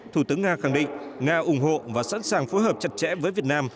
thủ tướng nga khẳng định nga ủng hộ và sẵn sàng phối hợp chặt chẽ với việt nam